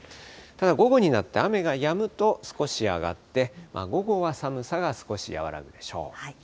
ただ午後になって雨がやむと、少し上がって、午後は寒さが少し和らぐでしょう。